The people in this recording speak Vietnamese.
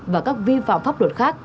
và các vi phạm pháp luật khác